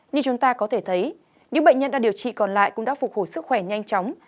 như chúng ta có thể thấy những bệnh nhân đã điều trị còn lại cũng đã phục hồi sức khỏe nhanh chóng